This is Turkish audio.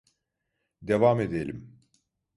Devam edelim.